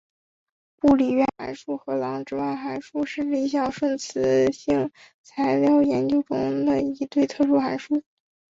布里渊函数和郎之万函数是理想顺磁性材料研究中的一对特殊函数。